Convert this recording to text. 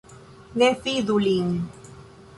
Ne fidu lin.